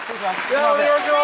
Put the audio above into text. いやお願いします